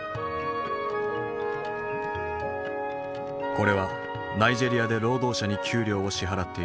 これはナイジェリアで労働者に給料を支払っている様子。